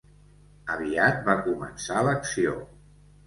Aviat va començar l'acció.